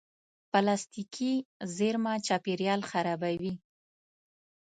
پلاستيکي زېرمه چاپېریال خرابوي.